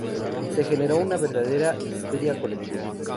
Se generó una verdadera histeria colectiva.